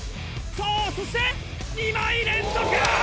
さぁそして２枚連続！